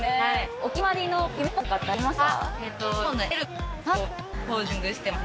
お決まりの決めポーズとかってありますか？